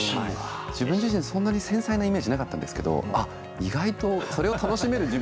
自分自身そんなに繊細なイメージなかったんですけど意外とそれを楽しめる自分もいるんだなって初めて。